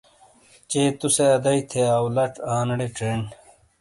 چے تُو سے ادائی تھے آؤ لَچ آنیڑے چینڈ۔